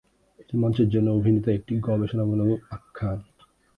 এটি মঞ্চের জন্য অভিনীত একটি গবেষণামূলক আখ্যান।